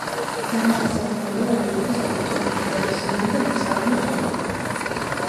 დამახასიათებელია რელიეფის სტრუქტურული ეროზიული და მეწყრული ფორმები.